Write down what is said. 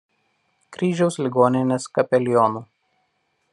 Kryžiaus ligoninės kapelionu.